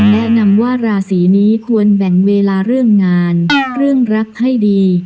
แนะนำว่าราศีนี้ควรแบ่งเวลาเรื่องงานเรื่องรักให้ดี